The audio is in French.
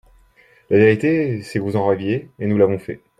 La vérité, c’est que vous en rêviez et que nous l’avons fait.